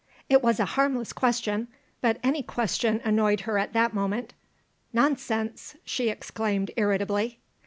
It was a harmless question, but any question annoyed her at that moment. "Nonsense!" she exclaimed irritably.